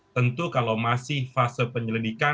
tentu kalau masih fase penyelidikan